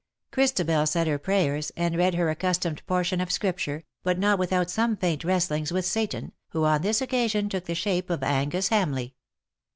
Christabel said her prayers^ and read her accustomed portion of Scripture, but not without some faint wrestlings with Satan, who on this occasion took the shape of Angus Hamleigh.